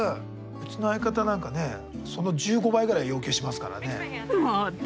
うちの相方なんかねその１５倍ぐらい要求しますからね。